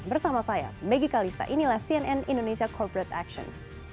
bersama saya maggie kalista inilah cnn indonesia corporate action